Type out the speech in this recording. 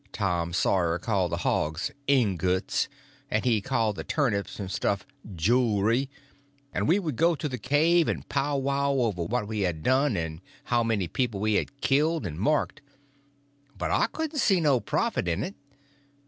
Tom Sawyer called the hogs "ingots," and he called the turnips and stuff "julery," and we would go to the cave and powwow over what we had done, and how many people we had killed and marked. But I couldn't see no profit in it.